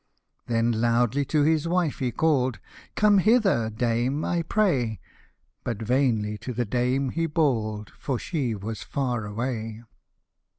Then loudly to his wife he calTd, " Come hither, dame, I pray !" But vainly to the dame he bawl'd, For she was far away.